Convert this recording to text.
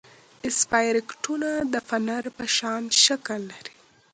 اسپایروکیټونه د فنر په شان شکل لري.